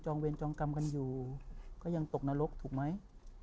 เวรจองกรรมกันอยู่ก็ยังตกนรกถูกไหม